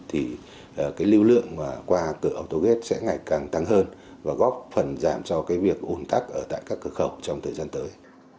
thì lưu lượng qua cửa autogate sẽ ngày càng tăng hơn và góp phần giảm cho việc ồn tắc tại các cửa khẩu trong thời gian tới